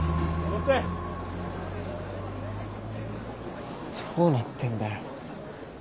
どうなってんだよ。